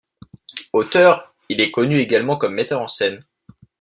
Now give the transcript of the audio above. Auteur, il est connu également comme metteur en scène.